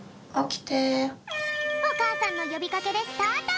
おかあさんのよびかけでスタート！